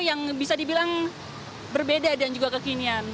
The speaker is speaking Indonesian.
yang bisa dibilang berbeda dan juga kekinian